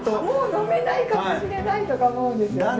「もう呑めないかもしれない」とか思うんですよね。